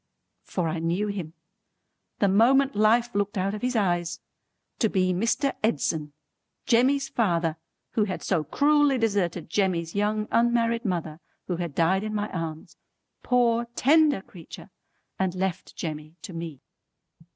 For I knew him, the moment life looked out of his eyes, to be Mr. Edson, Jemmy's father who had so cruelly deserted Jemmy's young unmarried mother who had died in my arms, poor tender creetur, and left Jemmy to me.